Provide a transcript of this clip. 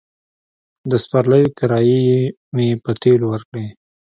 د سپرليو کرايې مې په تيلو ورکړې.